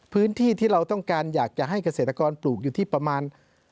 พื้นที่ที่เราต้องการอยากจะให้เกษตรกรปลูกอยู่ที่ประมาณ